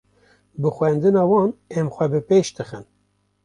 Bi xwendina wan em xwe bi pêş dixin.